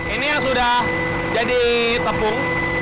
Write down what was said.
ini sudah jadi tepung